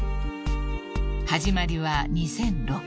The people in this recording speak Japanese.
［始まりは２００６年］